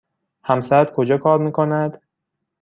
همسرت کجا کار می کند؟